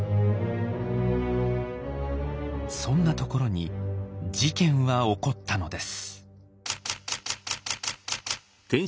そんなところに事件は起こったのです。